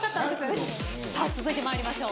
続いて参りましょう。